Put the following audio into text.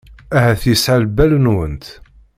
Ahat yeɛya lbal-nwent.